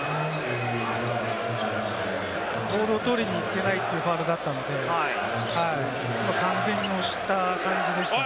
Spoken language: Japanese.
ボールを取りに行っていないというファウルだったので、完全に押した感じでしたね。